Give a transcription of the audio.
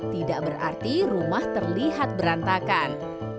tidak berarti rumah terlihat berantakan